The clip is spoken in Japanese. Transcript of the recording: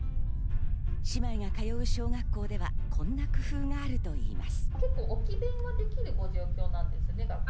姉妹が通う小学校ではこんな工夫があるといいます。